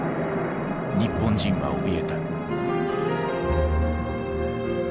日本人はおびえた。